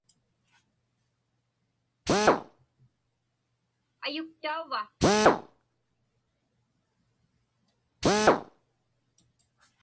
Ayuktauva?